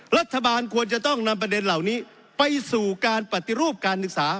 รัฐบาลควรจะต้องนำประเด็นเหล่านี้ไปสู่การปฏิรูปการศึกษา